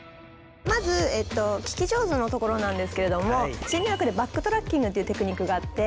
まず聞き上手のところなんですけれども心理学でバックトラッキングっていうテクニックがあって。